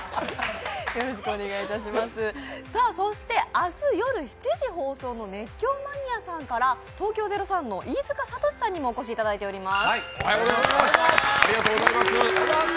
明日夜７時放送の「熱狂マニアさん！」から東京０３の飯塚悟志さんにもお越しいただいています。